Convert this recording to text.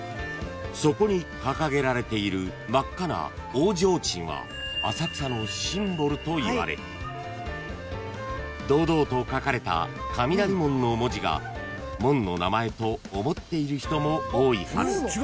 ［そこに掲げられている真っ赤な大提灯は浅草のシンボルといわれ堂々と書かれた「雷門」の文字が門の名前と思っている人も多いはず］